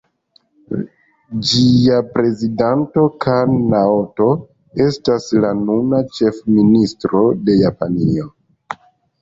Ĝia prezidanto Kan Naoto estas la nuna ĉefministro de Japanio.